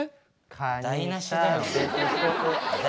台なしだよお前。